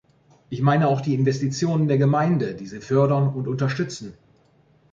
Ich meine auch die Investitionen der Gemeinden, die sie fördern und unterstützen.